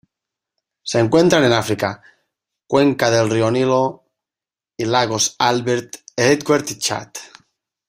Se encuentran en África: cuenca del río Nilo y lagos Albert, Edward y Chad.